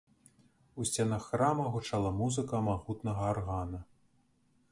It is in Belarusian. У сценах храма гучала музыка магутнага аргана.